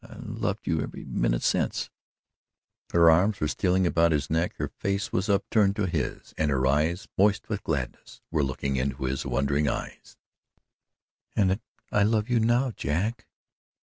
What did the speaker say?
I've loved you every minute since " her arms were stealing about his neck, her face was upturned to his and her eyes, moist with gladness, were looking into his wondering eyes "and I love you now Jack."